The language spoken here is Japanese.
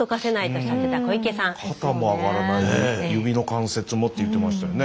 肩も上がらない指の関節もって言ってましたよね。